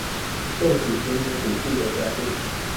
政府節能補助的家電